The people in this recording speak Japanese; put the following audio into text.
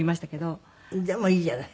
でもいいじゃない。